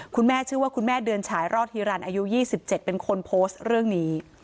คุณแม่ชื่อว่าคุณแม่เดือนฉายรอดฮีรันอายุ๒๗เป็นคนโพสต์เรื่องนี้